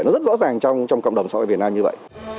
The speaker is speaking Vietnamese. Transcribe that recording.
nó rất rõ ràng trong cộng đồng xã hội việt nam như vậy